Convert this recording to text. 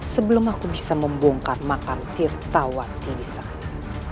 sebelum aku bisa membongkar makam tirtawan di sana